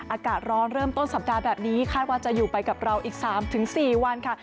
อากาศร้อนเริ่มต้นสัปดาห์แบบนี้คาดว่าจะอยู่ไปกับเราอีก๓๔วันค่ะ